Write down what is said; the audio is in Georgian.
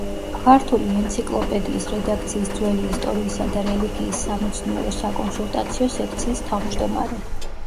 ქართული ენციკლოპედიის რედაქციის ძველი ისტორიისა და რელიგიის სამეცნიერო–საკონსულტაციო სექციის თავმჯდომარე.